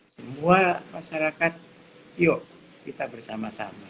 semua masyarakat yuk kita bersama sama